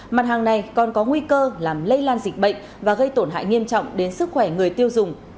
mặt hàng này còn có nguy cơ làm lây lan dịch bệnh và gây tổn hại nghiêm trọng đến sức khỏe người tiêu dùng